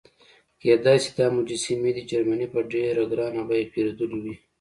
کېدای شي دا مجسمې دې جرمني په ډېره ګرانه بیه پیرودلې وي.